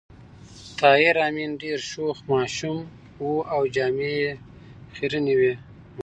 طاهر آمین ډېر شوخ ماشوم و او جامې یې خيرنې وې